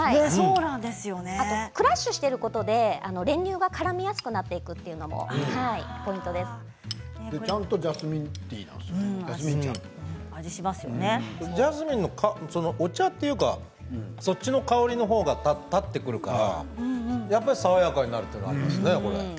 クラッシュしていることで練乳がからみやすくなっていくということもポイントちゃんとジャスミン茶ジャスミンのお茶というかそっちの香りのほうが立ってくるからやっぱり爽やかになりますね。